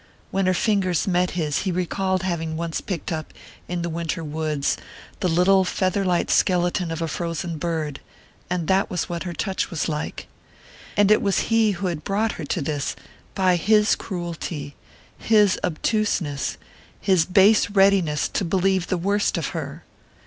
When her fingers met his he recalled having once picked up, in the winter woods, the little feather light skeleton of a frozen bird and that was what her touch was like. And it was he who had brought her to this by his cruelty, his obtuseness, his base readiness to believe the worst of her!